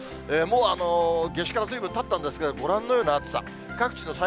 もう、夏至からずいぶんたったんですが、ご覧のような暑さ。